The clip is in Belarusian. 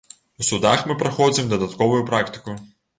У судах мы праходзім дадатковую практыку.